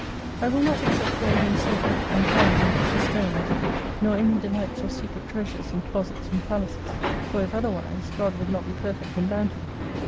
I will not except gold and silver, and crowns and precious stones, nor any delights or secret treasures in closets and palaces. For if other wise God would not be perfect in bounty.